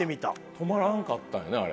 止まらんかったんやねあれ。